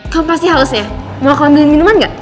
kamu pasti halus ya mau aku ambilin minuman gak